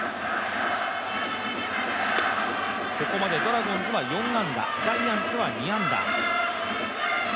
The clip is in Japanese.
ここまでドラゴンズは４安打ジャイアンツは２安打。